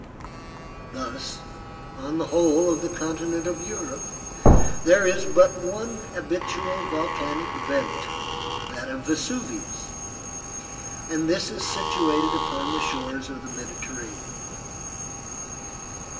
Thus, on the whole of the continent of Europe, there is but one habitual volcanic vent that of Vesuvius and this is situated upon the shores of the Mediterranean.